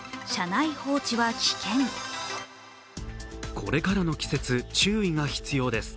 これからの季節、注意が必要です。